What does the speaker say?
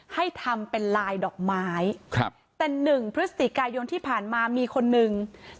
ให้ทำเป็นรายดอกไม้แต่๑พฤศติกายร์นที่ผ่านมามีคนหนึ่งคือ